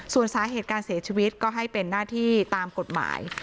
ส่วนสาเหตุการเสียชีวิตก็ให้เป็นหน้าที่ตามกฎหมาย